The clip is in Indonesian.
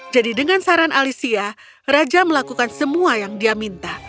jadi dengan saran alicia raja melakukan semua yang dia minta